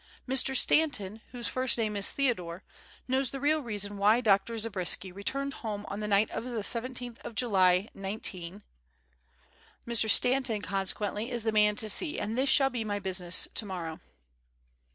Mr. Stanton, whose first name is Theodore, knows the real reason why Dr. Zabriskie returned home on the night of the seventeenth of July, 19 . Mr. Stanton, consequently, is the man to see, and this shall be my business tomorrow.